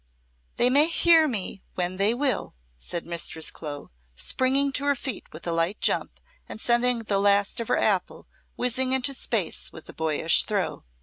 "They may hear me when they will," said Mistress Clo, springing to her feet with a light jump and sending the last of her apple whizzing into space with a boyish throw.